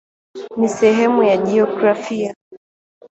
Ni sehemu ya jiografia.